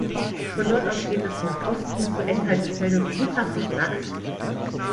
Von dort aus geht es nach Osten zur Endhaltestelle "Flughafen Fracht".